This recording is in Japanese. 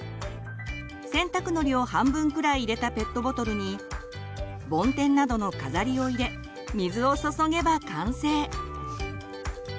洗濯のりを半分くらい入れたペットボトルにボンテンなどの飾りを入れ水を注げば完成。